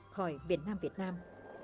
khỏi miền nam việt nam